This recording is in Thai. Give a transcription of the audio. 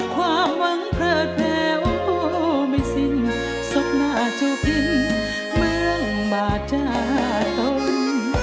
ความหวังเพลิดแผ่โอ้ไม่สิ้นสม่าจะกลิ่นเมื่อบาดจะตน